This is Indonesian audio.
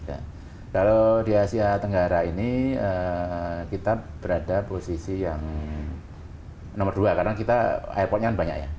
kalau di asia tenggara ini kita berada posisi yang nomor dua karena kita airportnya kan banyak ya